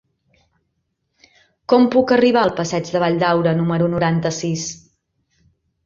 Com puc arribar al passeig de Valldaura número noranta-sis?